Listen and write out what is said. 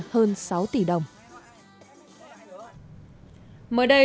hơn sáu tỷ đồng